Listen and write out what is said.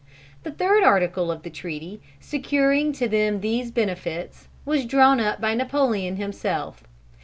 The third article of the treaty, securing to them these benefits, was drawn up by Napoleon himself.